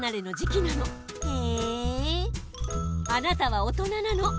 あなたは大人なの！